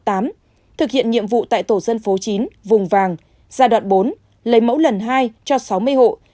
thực hiện nhiệm vụ tại tổ dân phố chín vùng vàng giai đoạn bốn lấy mẫu lần hai cho sáu mươi hộ